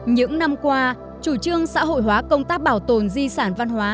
những năm qua chủ trương xã hội hóa công tác bảo tồn di sản văn hóa